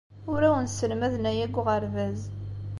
Ur awen-sselmaden aya deg uɣerbaz.